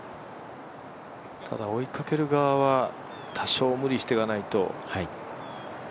ただ、追いかける側は多少無理していかないと。